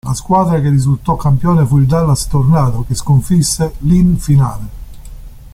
La squadra che risultò campione fu il Dallas Tornado, che sconfisse l' in finale.